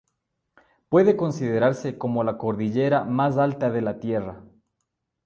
Puede considerarse como la cordillera más alta de la Tierra.